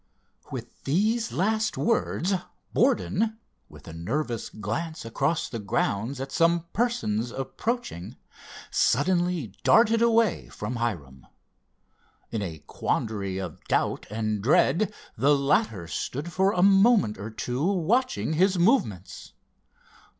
With these last words Borden, with a nervous glance across the grounds, at some persons approaching, suddenly darted away from Hiram. In a quandary of doubt and dread, the latter stood for a moment or two watching his movements.